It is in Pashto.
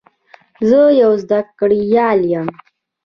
زه یو زده کړیال یم.